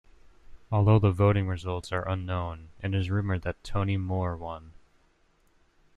Although the voting results are unknown, it is rumoured that Tony Moore won.